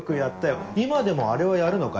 今でもあれはやるのかい？